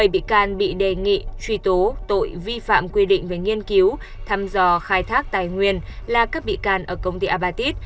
bảy bị can bị đề nghị truy tố tội vi phạm quy định về nghiên cứu thăm dò khai thác tài nguyên là các bị can ở công ty abatit